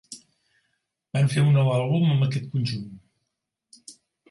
Van fer un nou àlbum amb aquest conjunt.